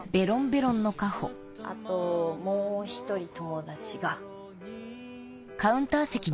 あともう一人友達が。